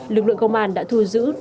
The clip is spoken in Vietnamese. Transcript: lực lượng công an đã thu giữ